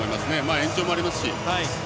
延長もありますし。